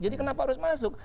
jadi kenapa harus masuk